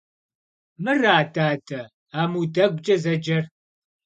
Мыра, дадэ, аму дэгукӀэ зэджэр?